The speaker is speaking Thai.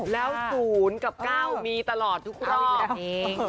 แล้ว๐กับ๙มีตลอดทุกรอบเอง